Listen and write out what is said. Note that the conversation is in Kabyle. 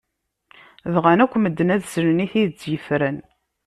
Bɣan akk medden ad slen i tidett yefren.